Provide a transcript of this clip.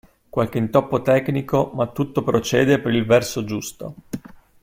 Qualche intoppo tecnico ma tutto procede per il verso giusto.